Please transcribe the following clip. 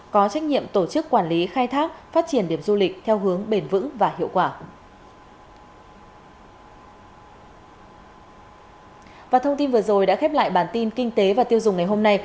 có trách nhiệm tổ chức quản lý khai thác phát triển điểm du lịch theo hướng bền vững và hiệu quả